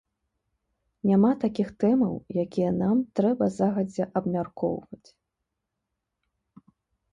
Няма такіх тэмаў, якія нам трэба загадзя абмяркоўваць.